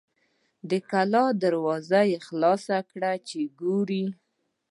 کلا دروازه یې خلاصه کړه چې وګوري.